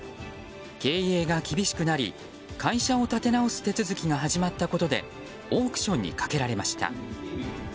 経営が厳しくなり会社を立て直す手続きが始まったことでオークションにかけられました。